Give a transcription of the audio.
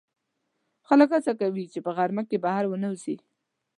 خلک هڅه کوي چې په غرمه کې بهر ونه وځي